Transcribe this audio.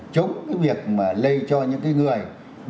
chống cái việc lây cho những người